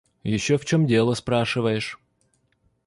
Ещё в чём дело спрашиваешь.